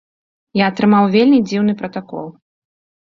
Я атрымаў вельмі дзіўны пратакол.